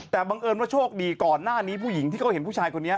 แต่บังเอิญว่าโชคดีก่อนหน้านี้ผู้หญิงที่เขาเห็นผู้ชายคนนี้